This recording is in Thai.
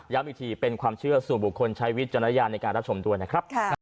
อีกทีเป็นความเชื่อสู่บุคคลใช้วิจารณญาณในการรับชมด้วยนะครับ